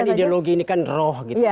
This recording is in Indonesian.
karena ideologi ini kan roh gitu